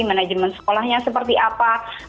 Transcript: manajemen sekolahnya seperti apa